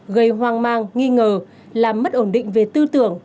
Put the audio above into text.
gây hoang mang nghi ngờ làm mất ổn định về tư tưởng